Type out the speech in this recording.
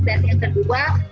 dan yang kedua